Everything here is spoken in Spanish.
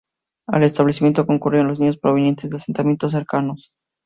Al Establecimiento concurrían los niños provenientes de asentamientos cercanos.